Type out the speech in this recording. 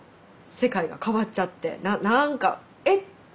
世界と変わっちゃってな何かえっ？